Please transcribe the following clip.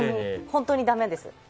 本当にダメです。